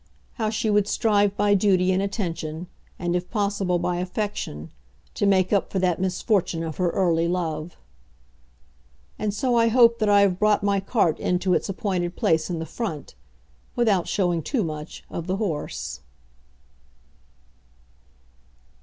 How she would strive by duty and attention, and if possible by affection, to make up for that misfortune of her early love! And so I hope that I have brought my cart in to its appointed place in the front, without showing too much of the horse.